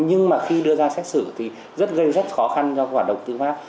nhưng mà khi đưa ra xét xử thì rất gây rất khó khăn cho quả động tư pháp